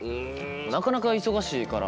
なかなか忙しいから。